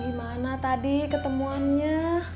gimana tadi ketemuannya